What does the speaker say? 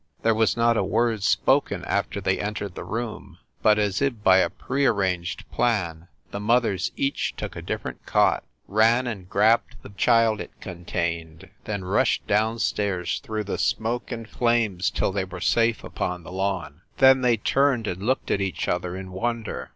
There was not a word spoken after they entered the room, but, as if by a prearranged plan, the mothers each took a dif ferent cot, ran and grabbed the child it contained, then rushed down stairs through the smoke and flames till they were safe upon the lawn. Then they turned and looked at each other in wonder.